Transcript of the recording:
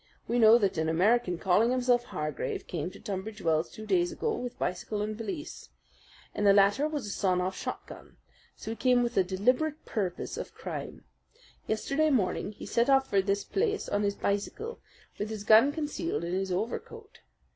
We know that an American calling himself Hargrave came to Tunbridge Wells two days ago with bicycle and valise. In the latter was a sawed off shotgun; so he came with the deliberate purpose of crime. Yesterday morning he set off for this place on his bicycle, with his gun concealed in his overcoat.